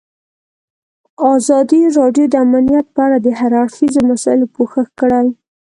ازادي راډیو د امنیت په اړه د هر اړخیزو مسایلو پوښښ کړی.